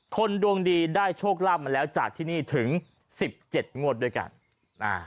คนดวงดีได้โชคลาภมาแล้วจากที่นี่ถึงสิบเจ็ดงวดด้วยกันอ่า